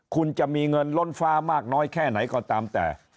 คุณจะมีเงินล้นฟ้ามากน้อยแค่ไหนก็ตามแต่